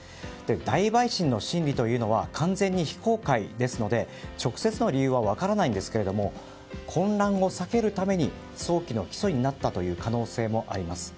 大陪審の審議というのは完全に非公開ですので直接の理由は分からないんですけれど混乱を避けるために早期の起訴になった可能性もあります。